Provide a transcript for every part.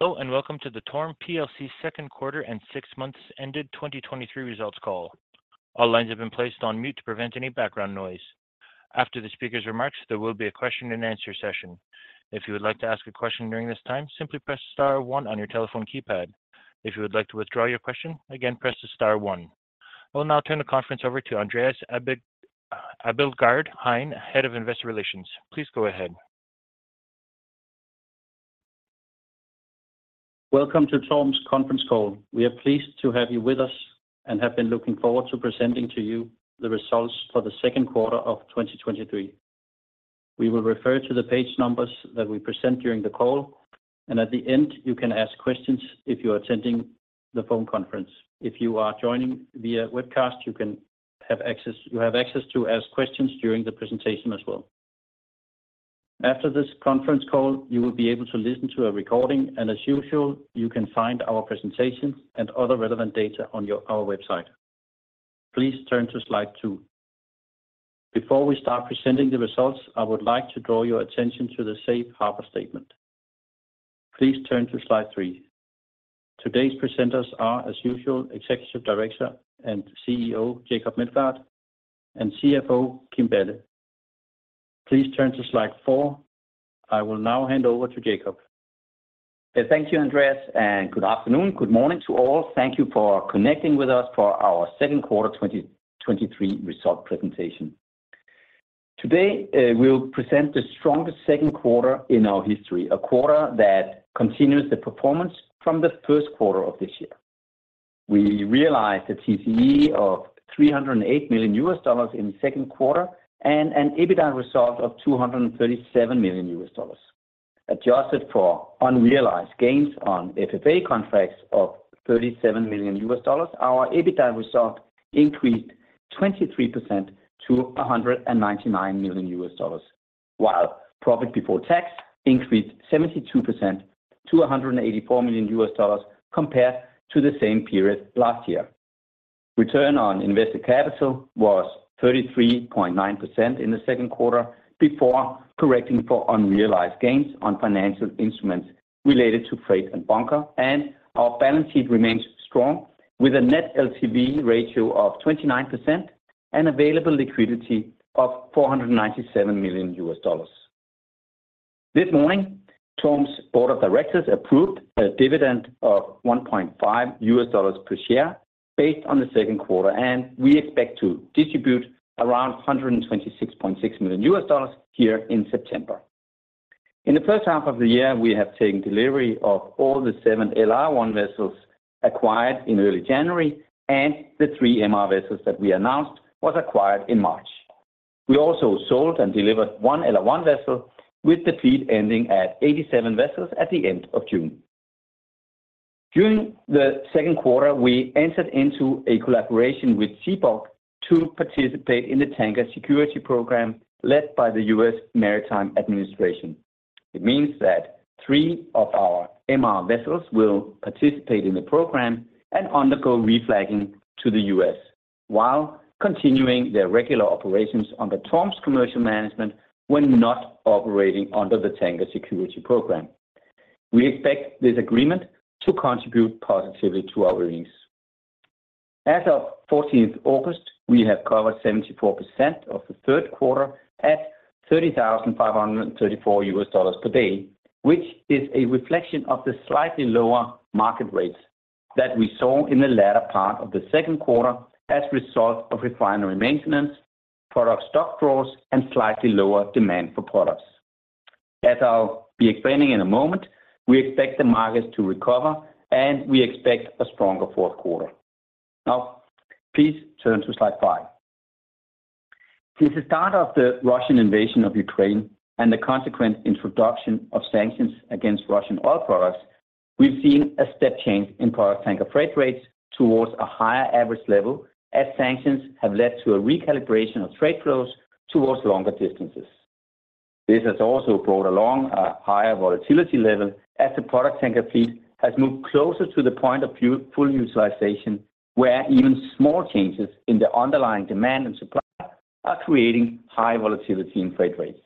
Hello, welcome to the TORM plc Second Quarter and Six months Ended 2023 Results Call. All lines have been placed on mute to prevent any background noise. After the speaker's remarks, there will be a question and answer session. If you would like to ask a question during this time, simply press star one on your telephone keypad. If you would like to withdraw your question, again, press the star one. I will now turn the conference over to Andreas Abildgaard-Hein, Head of Investor Relations. Please go ahead. Welcome to TORM's Conference Call. We are pleased to have you with us, and have been looking forward to presenting to you the results for the second quarter of 2023. We will refer to the page numbers that we present during the call, and at the end, you can ask questions if you are attending the phone conference. If you are joining via webcast, you have access to ask questions during the presentation as well. After this conference call, you will be able to listen to a recording, and as usual, you can find our presentations and other relevant data on our website. Please turn to slide two. Before we start presenting the results, I would like to draw your attention to the Safe Harbor statement. Please turn to slide three. Today's presenters are, as usual, Executive Director and CEO, Jacob Meldgaard, and CFO, Kim Balle. Please turn to slide four. I will now hand over to Jacob. Thank you, Andreas, good afternoon, good morning to all. Thank you for connecting with us for our second quarter 2023 result presentation. Today, we'll present the strongest second quarter in our history, a quarter that continues the performance from the first quarter of this year. We realized a TCE of $308 million in the second quarter, an EBITDA result of $237 million. Adjusted for unrealized gains on FFA contracts of $37 million, our EBITDA result increased 23% to $199 million, while profit before tax increased 72% to $184 million compared to the same period last year. Return on invested capital was 33.9% in the second quarter, before correcting for unrealized gains on financial instruments related to freight and bunker. Our balance sheet remains strong, with a net LTV ratio of 29% and available liquidity of $497 million. This morning, TORM's Board of Directors approved a dividend of $1.5 per share based on the second quarter. We expect to distribute around $126.6 million here in September. In the first half of the year, we have taken delivery of all the seven LR1 vessels acquired in early January, and the three MR vessels that we announced was acquired in March. We also sold and delivered one LR1 vessel, with the fleet ending at 87 vessels at the end of June. During the second quarter, we entered into a collaboration with Seabulk to participate in the Tanker Security Program led by the U.S. Maritime Administration. It means that three of our MR vessels will participate in the program and undergo reflagging to the U.S., while continuing their regular operations under TORM's commercial management when not operating under the Tanker Security Program. We expect this agreement to contribute positively to our earnings. As of 14th August, we have covered 74% of the third quarter at $30,534 per day, which is a reflection of the slightly lower market rates that we saw in the latter part of the second quarter as a result of refinery maintenance, product stock draws, and slightly lower demand for products. As I'll be explaining in a moment, we expect the markets to recover, and we expect a stronger fourth quarter. Please turn to slide five. Since the start of the Russian invasion of Ukraine and the consequent introduction of sanctions against Russian oil products, we've seen a step change in product tanker freight rates towards a higher average level, as sanctions have led to a recalibration of trade flows towards longer distances. This has also brought along a higher volatility level as the product tanker fleet has moved closer to the point of full utilization, where even small changes in the underlying demand and supply are creating high volatility in freight rates.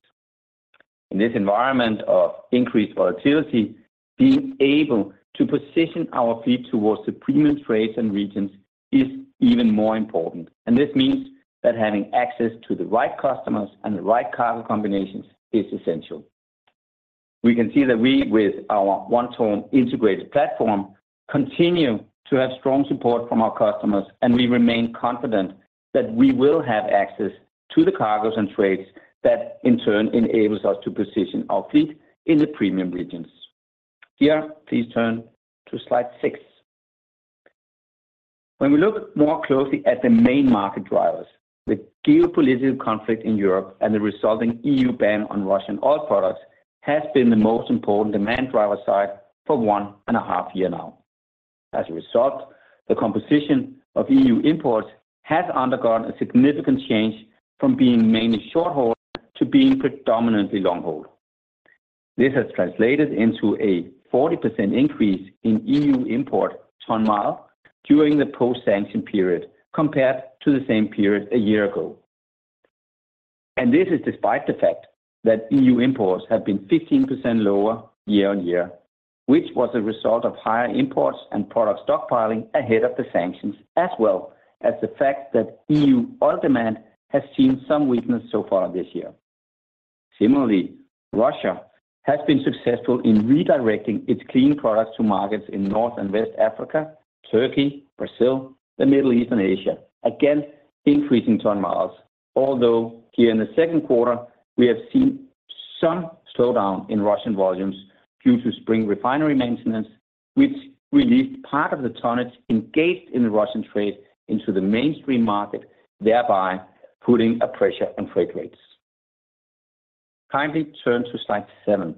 In this environment of increased volatility, being able to position our fleet towards the premium trades and regions is even more important, and this means that having access to the right customers and the right cargo combinations is essential. We can see that we, with our One TORM Integrated Platform, continue to have strong support from our customers. We remain confident that we will have access to the cargoes and trades that in turn enables us to position our fleet in the premium regions. Here, please turn to slide six. When we look more closely at the main market drivers, the geopolitical conflict in Europe and the resulting EU ban on Russian oil products has been the most important demand driver side for 1.5 years now. As a result, the composition of EU imports has undergone a significant change from being mainly short haul to being predominantly long haul. This has translated into a 40% increase in EU import ton-mile during the post-sanction period compared to the same period a year ago. This is despite the fact that EU imports have been 15% lower year-on-year, which was a result of higher imports and product stockpiling ahead of the sanctions, as well as the fact that EU oil demand has seen some weakness so far this year. Similarly, Russia has been successful in redirecting its clean products to markets in North and West Africa, Turkey, Brazil, the Middle East and Asia, again, increasing ton-miles. Although here in the second quarter, we have seen some slowdown in Russian volumes due to spring refinery maintenance, which released part of the tonnage engaged in the Russian trade into the mainstream market, thereby putting a pressure on freight rates. Kindly turn to slide seven.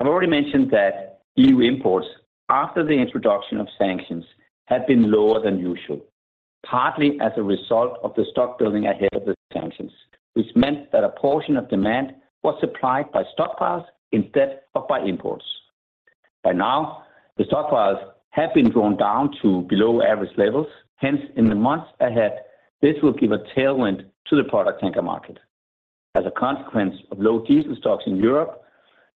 I've already mentioned that EU imports, after the introduction of sanctions, have been lower than usual, partly as a result of the stock building ahead of the sanctions, which meant that a portion of demand was supplied by stockpiles instead of by imports. By now, the stockpiles have been drawn down to below average levels. Hence, in the months ahead, this will give a tailwind to the product tanker market. As a consequence of low diesel stocks in Europe,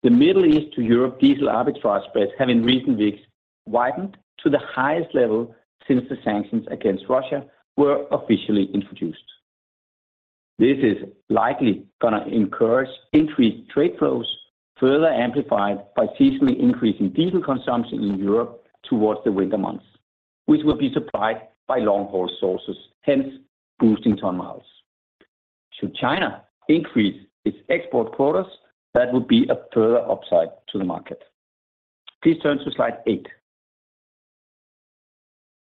the Middle East to Europe, diesel arbitrage spreads have in recent weeks widened to the highest level since the sanctions against Russia were officially introduced. This is likely gonna encourage increased trade flows, further amplified by seasonally increasing diesel consumption in Europe towards the winter months, which will be supplied by long-haul sources, hence boosting ton-miles. Should China increase its export quotas, that would be a further upside to the market. Please turn to slide eight.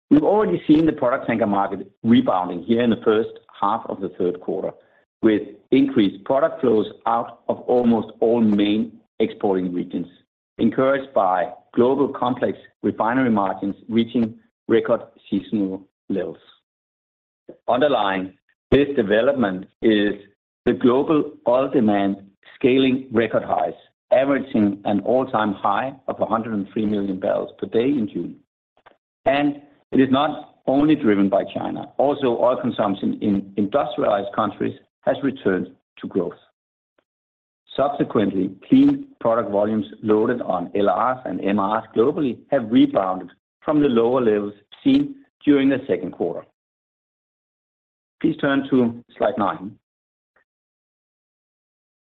We've already seen the product tanker market rebounding here in the first half of the third quarter, with increased product flows out of almost all main exporting regions, encouraged by global complex refinery margins reaching record seasonal levels. Underlying this development is the global oil demand scaling record highs, averaging an all-time high of 103 MMbpd in June. It is not only driven by China, also, oil consumption in industrialized countries has returned to growth. Subsequently, clean product volumes loaded on LRs and MRs globally have rebounded from the lower levels seen during the second quarter. Please turn to slide nine.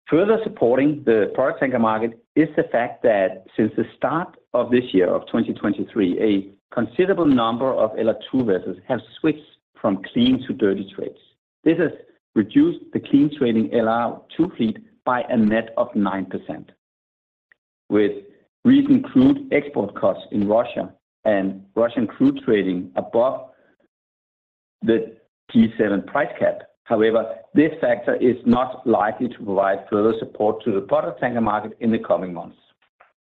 Further supporting the product tanker market is the fact that since the start of this year, of 2023, a considerable number of LR2 vessels have switched from clean to dirty trades. This has reduced the clean trading LR2 fleet by a net of 9%, with recent crude export costs in Russia and Russian crude trading above the G7 price cap. However, this factor is not likely to provide further support to the product tanker market in the coming months.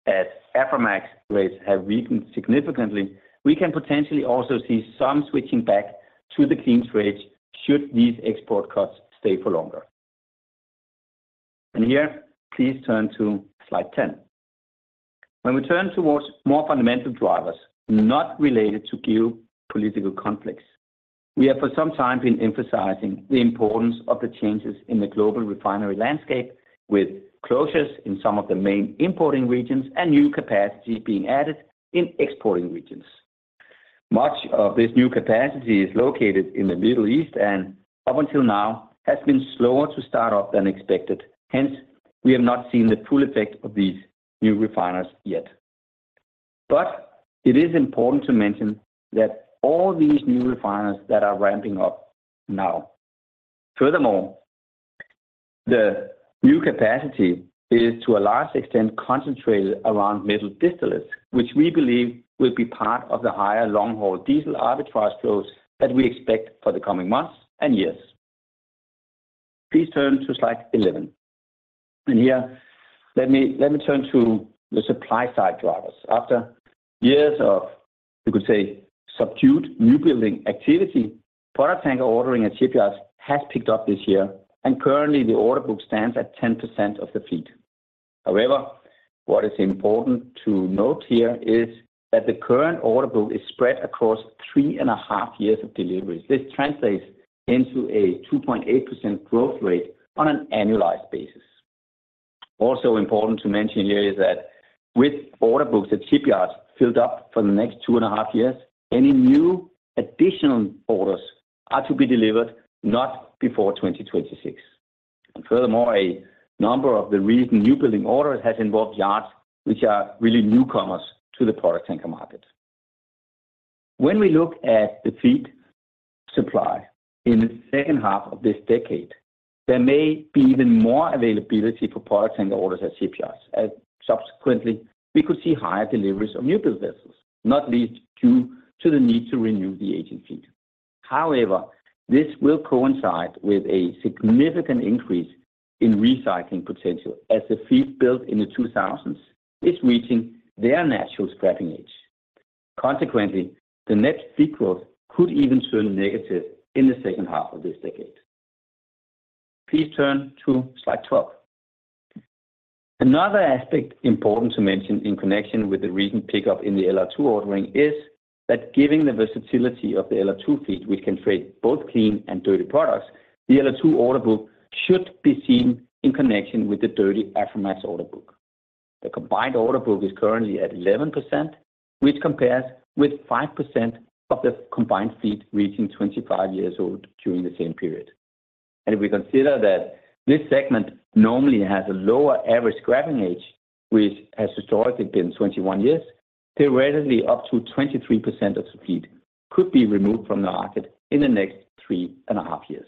As Aframax rates have weakened significantly, we can potentially also see some switching back to the clean trades should these export costs stay for longer. Here, please turn to slide 10. When we turn towards more fundamental drivers, not related to geopolitical conflicts, we have for some time been emphasizing the importance of the changes in the global refinery landscape, with closures in some of the main importing regions and new capacity being added in exporting regions. Much of this new capacity is located in the Middle East, and up until now, has been slower to start up than expected. Hence, we have not seen the full effect of these new refiners yet. It is important to mention that all these new refiners that are ramping up now. Furthermore, the new capacity is, to a large extent, concentrated around middle distillates, which we believe will be part of the higher long-haul diesel arbitrage flows that we expect for the coming months and years. Please turn to slide 11. Here, let me turn to the supply side drivers. After years of, you could say, subdued new building activity, product tanker ordering at shipyards has picked up this year, and currently, the order book stands at 10% of the fleet. However, what is important to note here is that the current order book is spread across 3.5 years of deliveries. This translates into a 2.8% growth rate on an annualized basis. Also important to mention here is that with order books at shipyards filled up for the next 2.5 years, any new additional orders are to be delivered not before 2026. Furthermore, a number of the recent new building orders has involved yards, which are really newcomers to the product tanker market. When we look at the fleet supply in the second half of this decade, there may be even more availability for product tanker orders at shipyards, as subsequently, we could see higher deliveries of newbuild vessels, not least due to the need to renew the aging fleet. However, this will coincide with a significant increase in recycling potential as the fleet built in the 2000s is reaching their natural scrapping age. Consequently, the next fleet growth could even turn negative in the second half of this decade. Please turn to slide 12. Another aspect important to mention in connection with the recent pickup in the LR2 ordering is that giving the versatility of the LR2 fleet, which can trade both clean and dirty products, the LR2 order book should be seen in connection with the dirty Aframax order book. The combined order book is currently at 11%, which compares with 5% of the combined fleet reaching 25 years old during the same period. If we consider that this segment normally has a lower average scrapping age, which has historically been 21 years, theoretically, up to 23% of the fleet could be removed from the market in the next 3.5 years.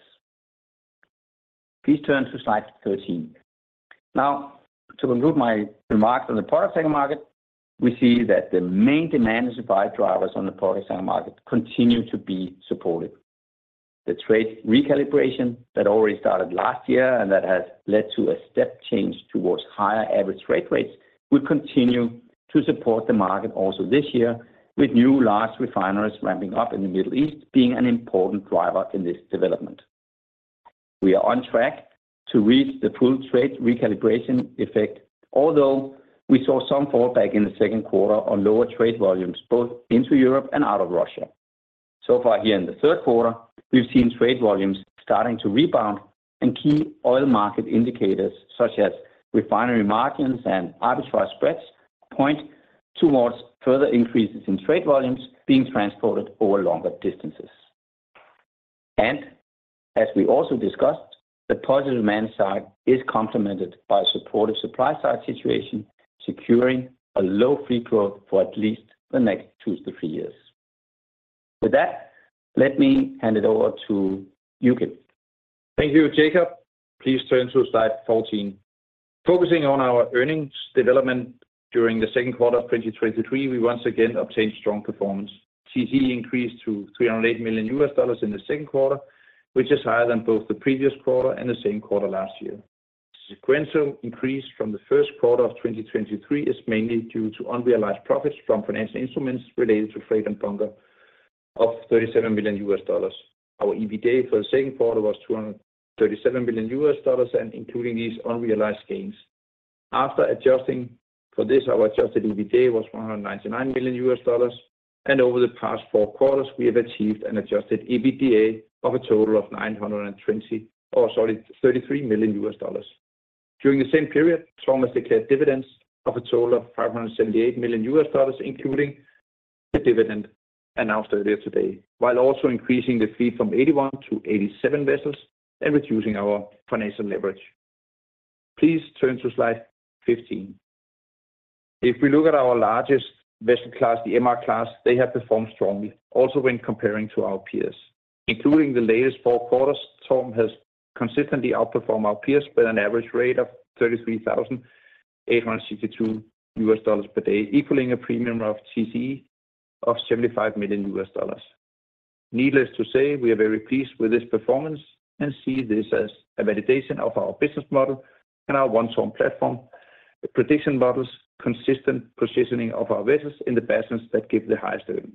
Please turn to slide 13. To conclude my remarks on the product segment market, we see that the main demand and supply drivers on the product segment market continue to be supported. The trade recalibration that already started last year and that has led to a step change towards higher average freight rates, will continue to support the market also this year, with new large refineries ramping up in the Middle East being an important driver in this development. We are on track to reach the full trade recalibration effect, although we saw some fallback in the second quarter on lower trade volumes, both into Europe and out of Russia. Far here in the third quarter, we've seen trade volumes starting to rebound and key oil market indicators, such as refinery margins and arbitrage spreads, point towards further increases in trade volumes being transported over longer distances. As we also discussed, the positive demand side is complemented by a supportive supply side situation, securing a low fleet growth for at least the next two to three years. With that, let me hand it over to you Kim. Thank you, Jacob. Please turn to slide 14. Focusing on our earnings development during the second quarter of 2023, we once again obtained strong performance. TCE increased to $308 million in the second quarter, which is higher than both the previous quarter and the same quarter last year. Sequential increase from the first quarter of 2023 is mainly due to unrealized profits from financial instruments related to freight and bunker of $37 million. Our EBITDA for the second quarter was $237 million, including these unrealized gains. After adjusting for this, our adjusted EBITDA was $199 million, and over the past four quarters, we have achieved an adjusted EBITDA of a total of $920, or sorry, $933 million. During the same period, TORM declared dividends of a total of $578 million, including the dividend announced earlier today, while also increasing the fleet from 81 to 87 vessels and reducing our financial leverage. Please turn to slide 15. If we look at our largest vessel class, the MR class, they have performed strongly, also when comparing to our peers. Including the latest four quarters, TORM has consistently outperformed our peers by an average rate of $33,862 per day, equaling a premium of TCE of $75 million. Needless to say, we are very pleased with this performance and see this as a validation of our business model and our One TORM platform, prediction models, consistent positioning of our vessels in the basins that give the highest earning.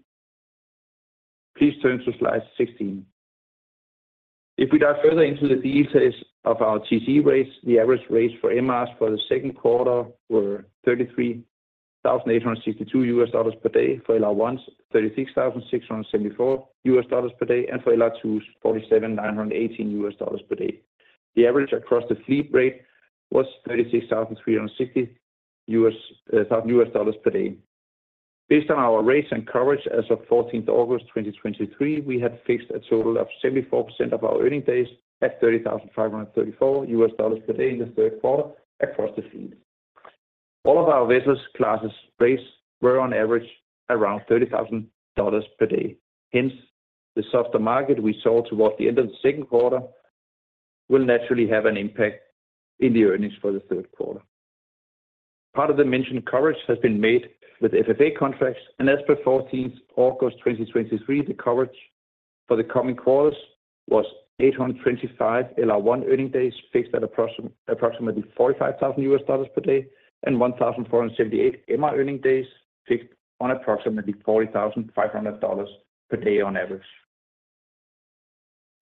Please turn to slide 16. If we dive further into the details of our TCE rates, the average rates for MRs for the second quarter were $33,862 per day, for LR1s, $36,674 per day, and for LR2s, $47,918 per day. The average across the fleet rate was $36,360 per day. Based on our rates and coverage as of 14th August 2023, we have fixed a total of 74% of our Earning Days at $30,534 per day in the third quarter across the fleet. All of our vessels classes rates were on average around $30,000 per day. Hence, the softer market we saw towards the end of the second quarter will naturally have an impact in the earnings for the third quarter. Part of the mentioned coverage has been made with FFA contracts, and as per 14th August 2023, the coverage for the coming quarters was 825 LR1 earning days, fixed at approximately $45,000 per day, and 1,478 MR earning days, fixed on approximately $40,500 per day on average.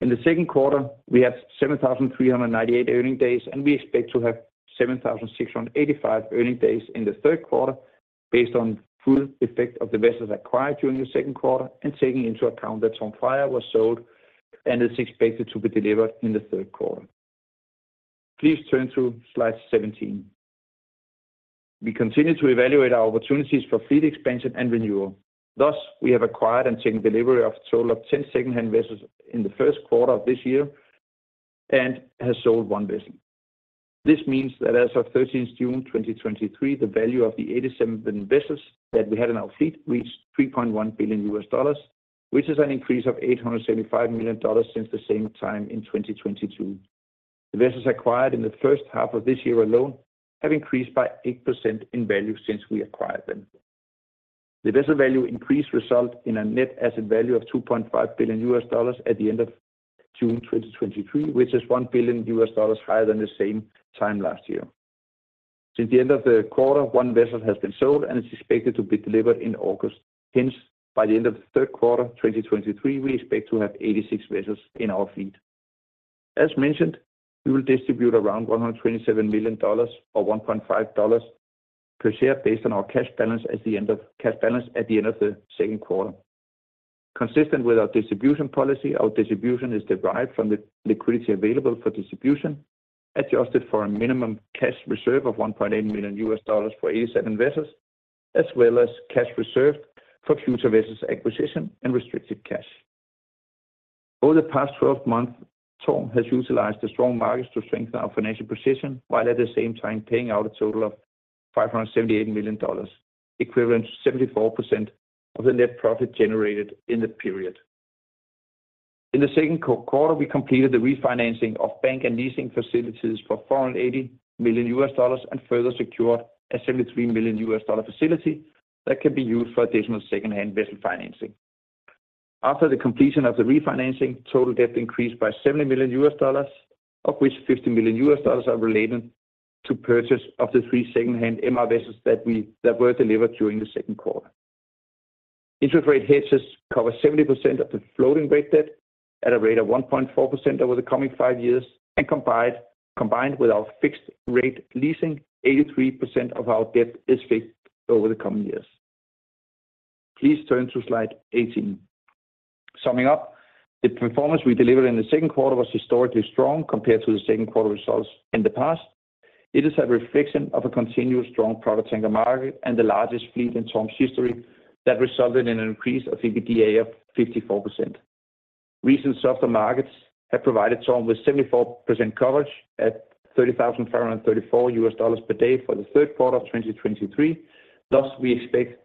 In the second quarter, we had 7,398 earning days, and we expect to have 7,685 earning days in the third quarter, based on full effect of the vessels acquired during the second quarter and taking into account that the LR1 was sold and is expected to be delivered in the third quarter. Please turn to slide 17. We continue to evaluate our opportunities for fleet expansion and renewal. Thus, we have acquired and taken delivery of a total of 10 second-hand vessels in the first quarter of this year, and has sold one vessel. This means that as of 13th June 2023, the value of the 87 vessels that we had in our fleet reached $3.1 billion, which is an increase of $875 million since the same time in 2022. The vessels acquired in the first half of this year alone have increased by 8% in value since we acquired them. The vessel value increase result in a Net Asset Value of $2.5 billion at the end of June 2023, which is $1 billion higher than the same time last year. Since the end of the quarter, one vessel has been sold, and it's expected to be delivered in August. By the end of the third quarter, 2023, we expect to have 86 vessels in our fleet. As mentioned, we will distribute around $127 million or $1.5 per share based on our cash balance at the end of the second quarter. Consistent with our distribution policy, our distribution is derived from the liquidity available for distribution, adjusted for a minimum cash reserve of $1.8 million for 87 vessels, as well as cash reserved for future vessels acquisition and restricted cash. Over the past 12 months, TORM has utilized the strong markets to strengthen our financial position, while at the same time paying out a total of $578 million, equivalent to 74% of the net profit generated in the period. In the second quarter, we completed the refinancing of bank and leasing facilities for $480 million, and further secured a $73 million facility that can be used for additional secondhand vessel financing. After the completion of the refinancing, total debt increased by $70 million, of which $50 million are related to purchase of the three secondhand MR vessels that were delivered during the second quarter. Interest rate hedges cover 70% of the floating rate debt at a rate of 1.4% over the coming five years, combined with our fixed rate leasing, 83% of our debt is fixed over the coming years. Please turn to slide 18. Summing up, the performance we delivered in the second quarter was historically strong compared to the second quarter results in the past. It is a reflection of a continuous strong product tanker market and the largest fleet in TORM's history that resulted in an increase of EBITDA of 54%. Recent softer markets have provided TORM with 74% coverage at $30,534 per day for the third quarter of 2023. Thus, we expect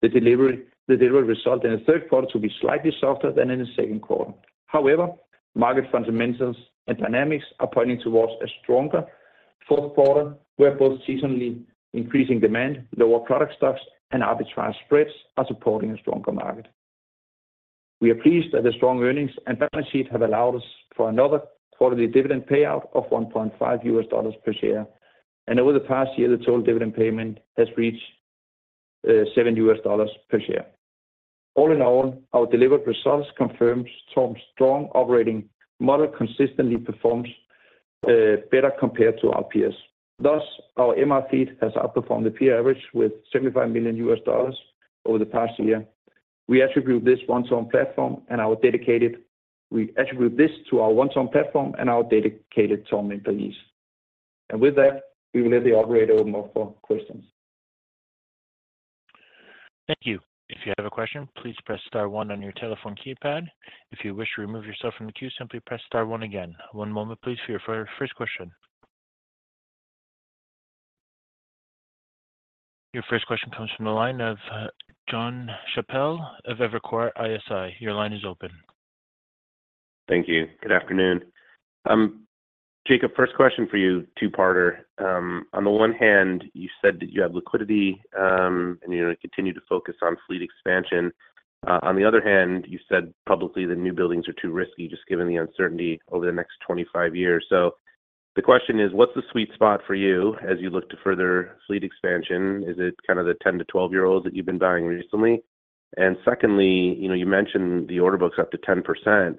the delivery result in the third quarter to be slightly softer than in the second quarter. However, market fundamentals and dynamics are pointing towards a stronger fourth quarter, where both seasonally increasing demand, lower product stocks, and arbitrary spreads are supporting a stronger market. We are pleased that the strong earnings and balance sheet have allowed us for another quarterly dividend payout of $1.5 per share. Over the past year, the total dividend payment has reached $7 per share. All in all, our delivered results confirms TORM's strong operating model consistently performs better compared to our peers. Thus, our MR fleet has outperformed the peer average with $75 million over the past year. We attribute this to our One TORM platform and our dedicated TORM employees. With that, we will let the operator open up for questions. Thank you. If you have a question, please press star one on your telephone keypad. If you wish to remove yourself from the queue, simply press star one again. One moment, please, for your first question. Your first question comes from the line of John Chappell of Evercore ISI. Your line is open. Thank you. Good afternoon. Jacob, first question for you, two-parter. On the one hand, you said that you have liquidity, and you're gonna continue to focus on fleet expansion. On the other hand, you said publicly, the new buildings are too risky, just given the uncertainty over the next 25 years. The question is: What's the sweet spot for you as you look to further fleet expansion? Is it kind of the 10-12-year-olds that you've been buying recently? Secondly, you know, you mentioned the order book's up to 10%.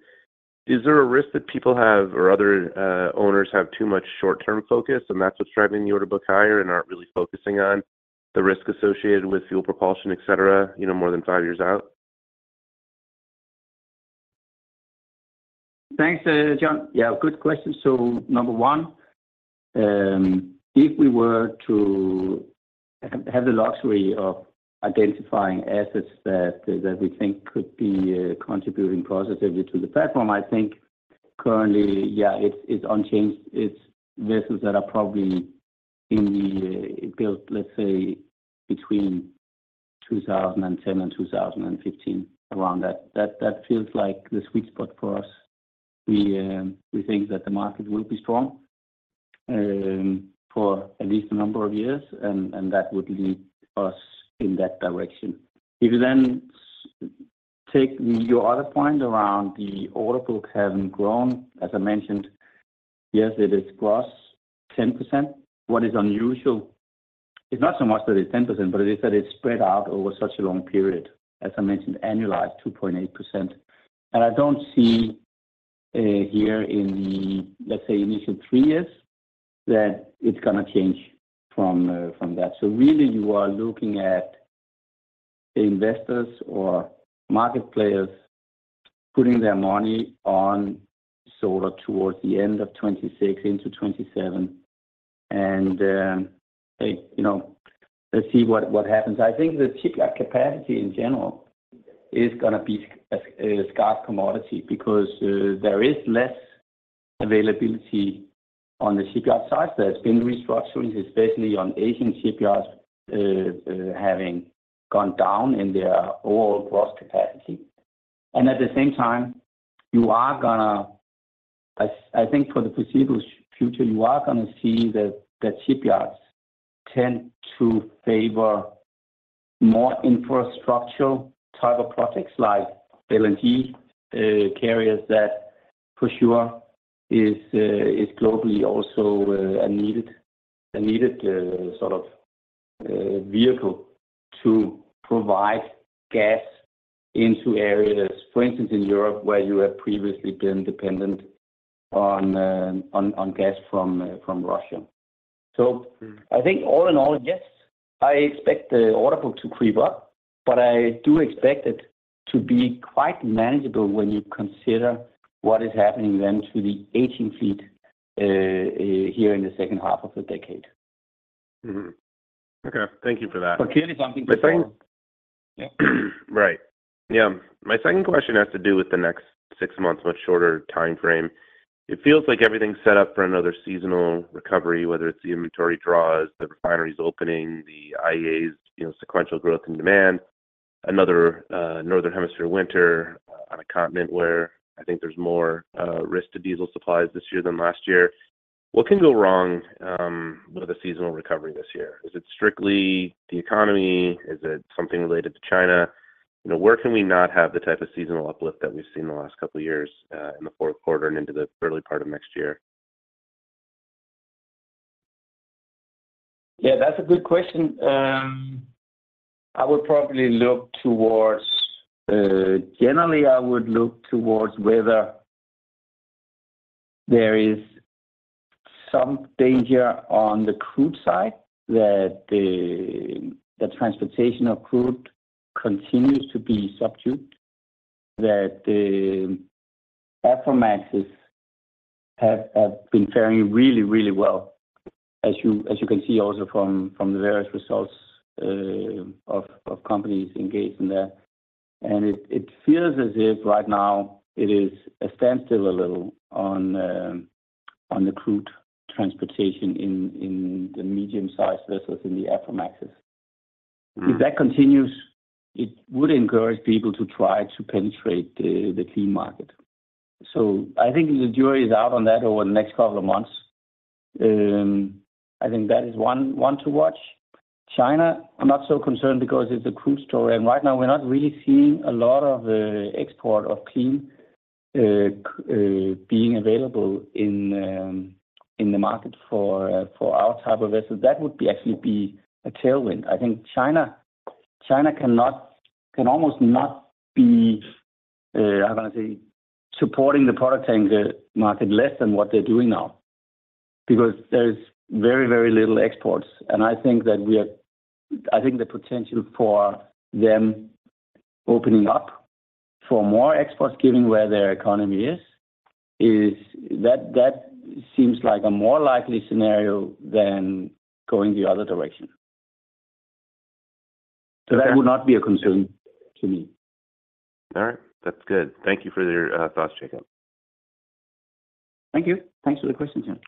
Is there a risk that people have or other owners have too much short-term focus, and that's what's driving the order book higher and aren't really focusing on the risk associated with fuel propulsion, et cetera, you know, more than five years out? Thanks, John. Yeah, good question. Number one, if we were to have, have the luxury of identifying assets that, that we think could be contributing positively to the platform, I think currently, yeah, it's, it's unchanged. It's vessels that are probably in the built, let's say, between 2010 and 2015, around that. That, that feels like the sweet spot for us. We think that the market will be strong for at least a number of years, and, and that would lead us in that direction. If you then take your other point around the order book having grown, as I mentioned, yes, it is gross 10%. What is unusual, it's not so much that it's 10%, but it is that it's spread out over such a long period. As I mentioned, annualized, 2.8%. I don't see here in the, let's say, initial three years, that it's gonna change from that. Really, you are looking at investors or market players putting their money on solar towards the end of 2026 into 2027. They, you know, let's see what, what happens. I think the shipyard capacity in general is gonna be a, a scarce commodity because there is less availability on the shipyard side. There's been restructurings, especially on Asian shipyards, having gone down in their overall gross capacity. At the same time, you are gonna. I think for the foreseeable future, you are gonna see that, that shipyards tend to favor more infrastructural type of projects like LNG carriers, that for sure is globally also a needed, a needed sort of... vehicle to provide gas into areas, for instance, in Europe, where you have previously been dependent on gas from, from Russia. I think all in all, yes, I expect the order book to creep up, but I do expect it to be quite manageable when you consider what is happening then to the aging fleet here in the second half of the decade. Mm-hmm. Okay, thank you for that. clearly something- My second- Yeah. Right. Yeah. My second question has to do with the next six months, much shorter timeframe. It feels like everything's set up for another seasonal recovery, whether it's the inventory draws, the refineries opening, the IEA's, you know, sequential growth in demand, another Northern Hemisphere winter on a continent where I think there's more risk to diesel supplies this year than last year. What can go wrong with a seasonal recovery this year? Is it strictly the economy? Is it something related to China? You know, where can we not have the type of seasonal uplift that we've seen in the last couple of years in the fourth quarter and into the early part of next year? Yeah, that's a good question. I would probably look towards generally, I would look towards whether there is some danger on the crude side, that the, the transportation of crude continues to be subdued, that the Aframax have, have been faring really, really well, as you, as you can see also from, from the various results, of, of companies engaged in there. It, it feels as if right now it is a standstill a little on, on the crude transportation in, in the medium-sized vessels, in the Aframax. Mm. If that continues, it would encourage people to try to penetrate the, the clean market. I think the jury is out on that over the next couple of months. I think that is one, one to watch. China, I'm not so concerned because it's a crude story, and right now we're not really seeing a lot of export of clean being available in the market for our type of vessels. That would be actually be a tailwind. I think China, China cannot, can almost not be, how can I say, supporting the product tanker market less than what they're doing now, because there's very, very little exports. I think that I think the potential for them opening up for more exports, given where their economy is, is that, that seems like a more likely scenario than going the other direction. Okay. That would not be a concern to me. All right. That's good. Thank you for your thoughts, Jacob. Thank you. Thanks for the question, John.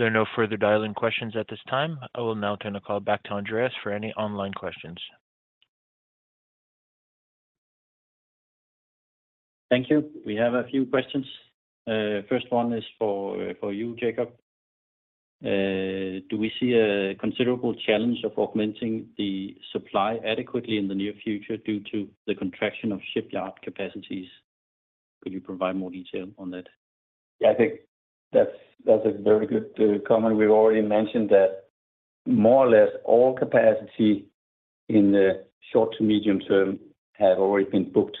There are no further dial-in questions at this time. I will now turn the call back to Andreas for any online questions. Thank you. We have a few questions. First one is for, for you, Jacob. Do we see a considerable challenge of augmenting the supply adequately in the near future due to the contraction of shipyard capacities? Could you provide more detail on that? Yeah, I think that's, that's a very good comment. We've already mentioned that more or less all capacity in the short to medium term have already been booked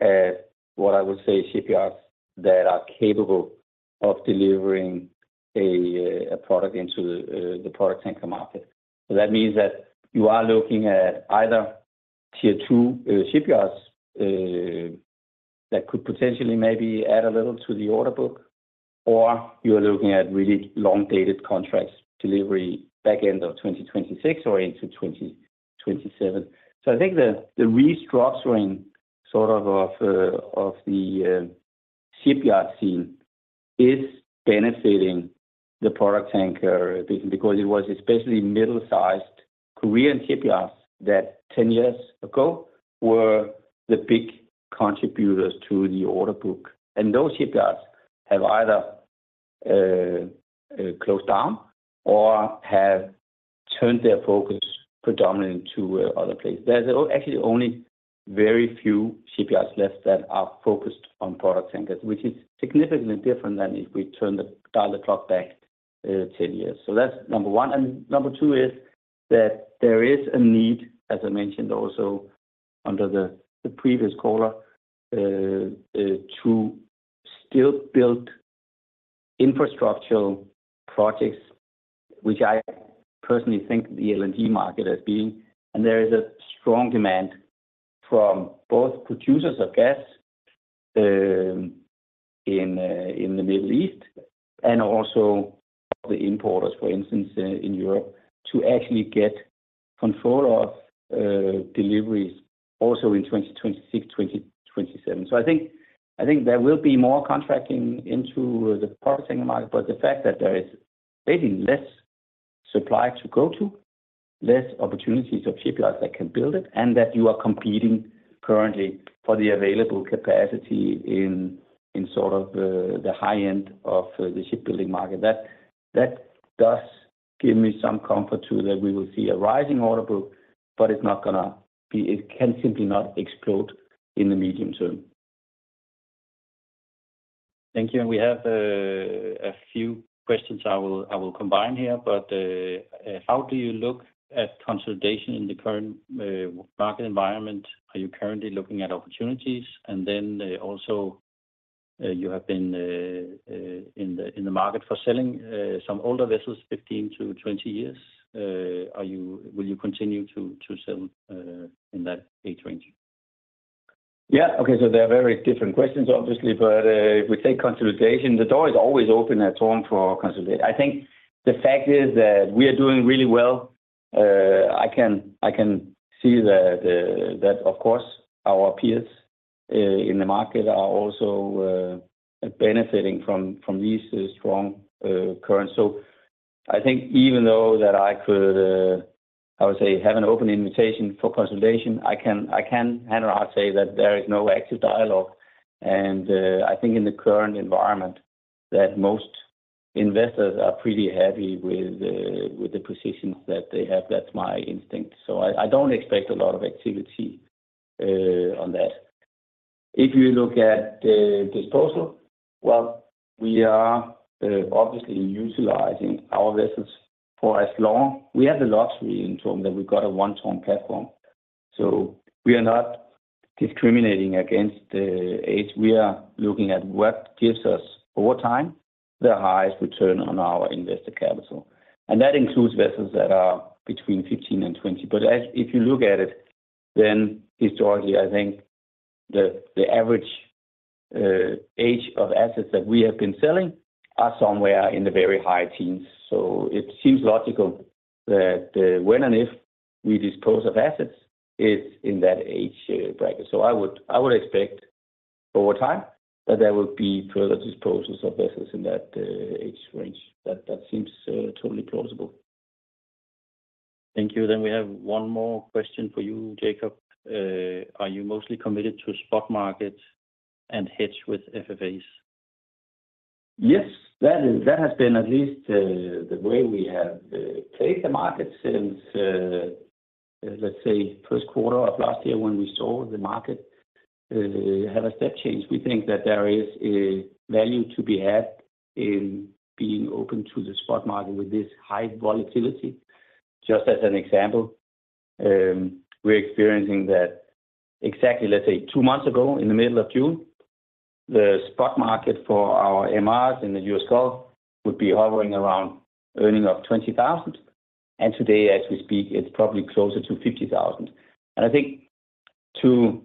at, what I would say, shipyards that are capable of delivering a product into the product tanker market. That means that you are looking at either Tier 2 shipyards that could potentially maybe add a little to the order book, or you are looking at really long-dated contracts delivery back end of 2026 or into 2027. I think the restructuring sort of, of the shipyard scene is benefiting the product tanker, because it was especially middle-sized Korean shipyards that 10 years ago were the big contributors to the order book. Those shipyards have either closed down or have turned their focus predominantly to other places. There's actually only very few shipyards left that are focused on product tankers, which is significantly different than if we dial the clock back 10 years. That's number one. Number two is that there is a need, as I mentioned, also under the previous caller, to still build infrastructural projects, which I personally think the LNG market as being. There is a strong demand from both producers of gas in the Middle East, and also the importers, for instance, in Europe, to actually get control of deliveries also in 2026, 2027. I think, I think there will be more contracting into the product tanker market, but the fact that there is maybe less supply to go to, less opportunities of shipyards that can build it, and that you are competing currently for the available capacity in, in sort of, the high end of the shipbuilding market, that, that does give me some comfort, too, that we will see a rising order book, but it's not going to be. It can simply not explode in the medium term. Thank you. We have a few questions I will, I will combine here. How do you look at consolidation in the current market environment? Are you currently looking at opportunities? Then also, you have been in the market for selling some older vessels 15-20 years. Will you continue to sell in that age range? Yeah. Okay, they are very different questions, obviously, but if we take consolidation, the door is always open at TORM for consolidation. I think the fact is that we are doing really well. I can, I can see that, that, of course, our peers in the market are also benefiting from, from these strong currents. I think even though that I could, I would say, have an open invitation for consolidation, I can, I can hand on heart say that there is no active dialogue. I think in the current environment, that most investors are pretty happy with the, with the positions that they have. That's my instinct. I don't expect a lot of activity on that. If you look at the disposal, well, we are obviously utilizing our vessels for as long. We have the luxury in TORM that we've got a One TORM platform, so we are not discriminating against the age. We are looking at what gives us over time, the highest return on our invested capital, and that includes vessels that are between 15 and 20. If you look at it, then historically, I think the, the average age of assets that we have been selling are somewhere in the very high teens. It seems logical that when and if we dispose of assets, it's in that age bracket. I would, I would expect over time that there will be further disposals of vessels in that age range. That, that seems totally plausible. Thank you. We have one more question for you, Jacob. Are you mostly committed to spot markets and hedge with FFAs? Yes. That has been at least, the way we have played the market since, let's say, first quarter of last year, when we saw the market have a step change. We think that there is a value to be had in being open to the spot market with this high volatility. Just as an example, we're experiencing that exactly, let's say two months ago, in the middle of June, the spot market for our MRs in the US Gulf would be hovering around earning of $20,000, and today as we speak, it's probably closer to $50,000. I think to,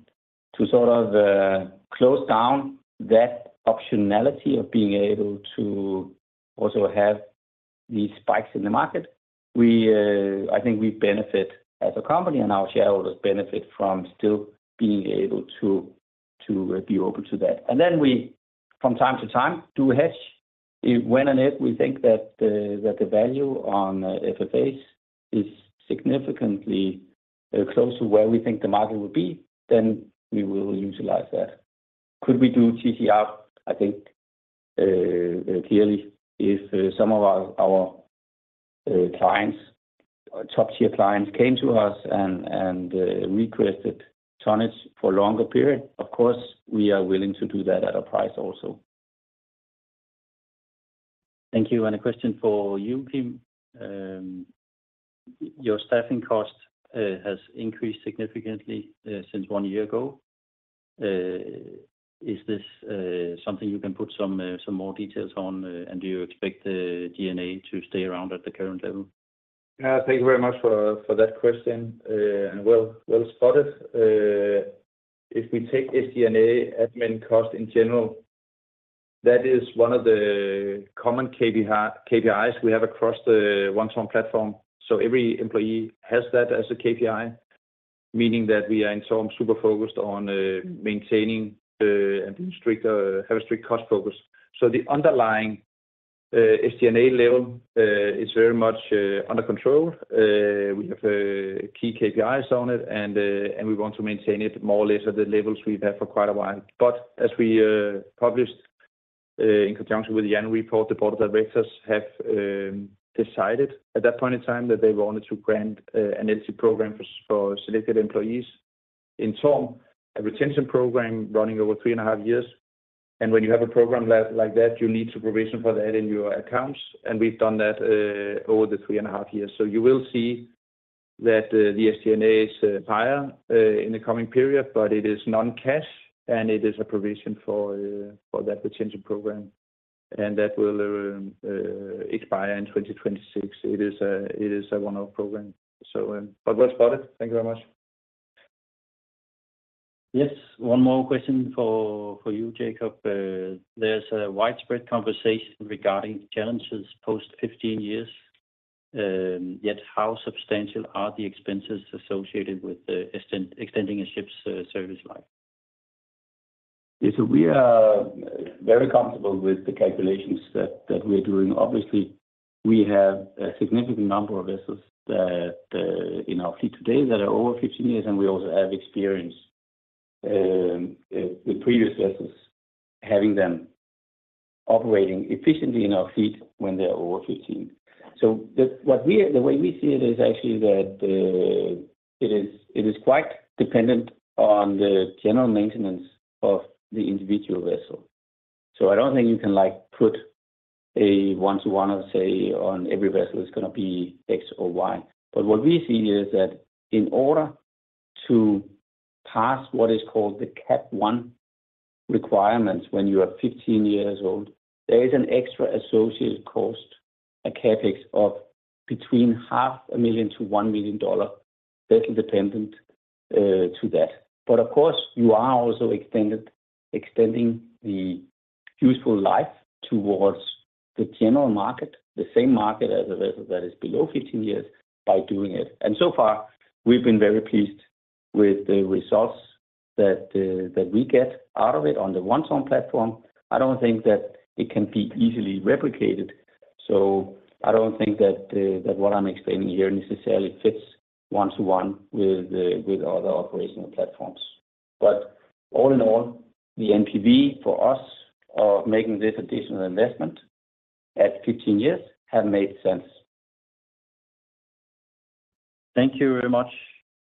to sort of close down that optionality of being able to also have these spikes in the market, we, I think we benefit as a company, and our shareholders benefit from still being able to, to be open to that. Then we, from time to time, do hedge, if when and if we think that the, that the value on FFAs is significantly close to where we think the market will be, then we will utilize that. Could we do TCs? I think clearly, if some of our, our clients, top-tier clients came to us and, and requested tonnage for a longer period, of course, we are willing to do that at a price also. Thank you. A question for you, Kim. Your staffing cost has increased significantly since one year ago. Is this something you can put some more details on, and do you expect the D&A to stay around at the current level? Thank you very much for, for that question, and well, well spotted. If we take SG&A admin cost in general, that is one of the common KPI, KPIs we have across the One TORM platform. Every employee has that as a KPI, meaning that we are in TORM, super focused on maintaining and strict, have a strict cost focus. The underlying SG&A level is very much under control. We have key KPIs on it, and we want to maintain it more or less at the levels we've had for quite a while. As we published in conjunction with the annual report, TORM plc's Board of Directors have decided at that point in time that they wanted to grant an exit program for selected employees. In TORM, a retention program running over 3.5 years, and when you have a program like that, you need to provision for that in your accounts, and we've done that, over the 3.5 years. You will see that the SG&A is higher, in the coming period, but it is non-cash, and it is a provision for, for that potential program, and that will, expire in 2026. It is a, it is a one-off program. Well spotted. Thank you very much. Yes. One more question for, for you, Jacob. There's a widespread conversation regarding challenges post 15 years. Yet how substantial are the expenses associated with, extending a ship's service life? Yeah. We are very comfortable with the calculations that we are doing. Obviously, we have a significant number of vessels that in our fleet today that are over 15 years, and we also have experience with previous vessels, having them operating efficiently in our fleet when they are over 15. The way we see it is actually that it is quite dependent on the general maintenance of the individual vessel. I don't think you can, like, put a one to one or say on every vessel is gonna be X or Y. What we see is that in order to pass what is called the CAP 1 requirements, when you are 15 years old, there is an extra associated cost, a CapEx of between $500,000-$1 million, that is dependent to that. Of course, you are also extended, extending the useful life towards the general market, the same market as a vessel that is below 15 years by doing it. So far, we've been very pleased with the results that we get out of it on the One TORM platform. I don't think that it can be easily replicated, so I don't think that what I'm explaining here necessarily fits one to one with the, with other operational platforms. All in all, the NPV for us of making this additional investment at 15 years have made sense. Thank you very much.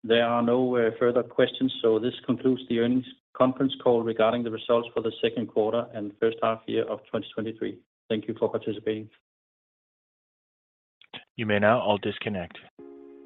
There are no further questions. This concludes the earnings conference call regarding the results for the second quarter and first half year of 2023. Thank you for participating. You may now all disconnect.